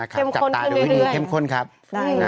เช็มข้นคืนเรื่อย